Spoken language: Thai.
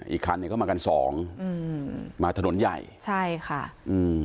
อีกคันหนึ่งเข้ามากันสองอืมมาถนนใหญ่ใช่ค่ะอืม